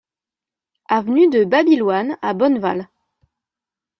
Avenue de Babyloine à Bonneval